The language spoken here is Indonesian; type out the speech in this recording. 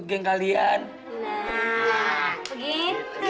tapi abi enggak bisa keluar